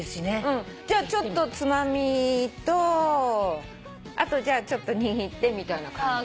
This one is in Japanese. じゃあちょっとつまみとあとじゃあちょっと握ってみたいな感じ。